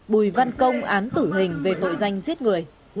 bùi văn công án tử hình về tội danh giết người